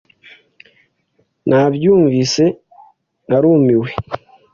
Nabyumvise, narumiwe.